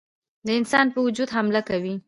د انسان په وجود حمله کوي.